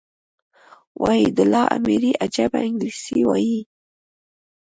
وحيدالله اميري عجبه انګلېسي وايي.